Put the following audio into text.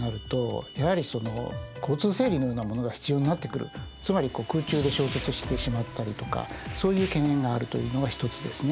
私もですねつまり空中で衝突してしまったりとかそういう懸念があるというのが一つですね。